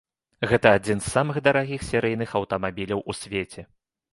Гэта адзін з самых дарагіх серыйных аўтамабіляў у свеце.